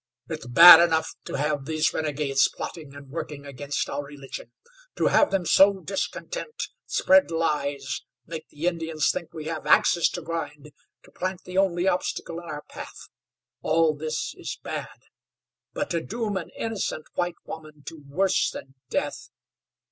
"It's bad enough to have these renegades plotting and working against our religion; to have them sow discontent, spread lies, make the Indians think we have axes to grind, to plant the only obstacle in our path all this is bad; but to doom an innocent white woman to worse than death!